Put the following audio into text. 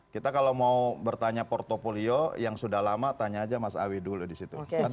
kita kalau mau bertanya portfolio yang sudah lama tanya aja mas awi dulu di situ